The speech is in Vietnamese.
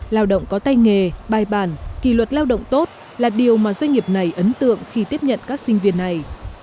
lao động có tay nghề bài bản kỳ luật lao động tốt là điều mà doanh nghiệp này ấn tượng khi tiếp nhận các sinh viên này